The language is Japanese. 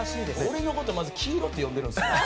俺の事まず黄色って呼んでるんですね。